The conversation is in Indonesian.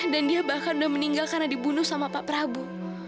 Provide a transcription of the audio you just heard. dan dia bahkan sudah meninggal karena dibunuh sama pak prabu